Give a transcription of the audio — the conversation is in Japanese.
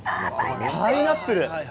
パイナップル。